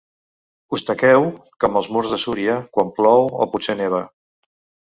Us taqueu com els murs de Súria quan plou o potser neva.